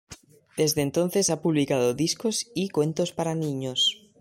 Desde entonces ha publicado discos y cuentos para niños.